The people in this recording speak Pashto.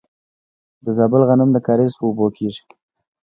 د زابل غنم د کاریز په اوبو کیږي.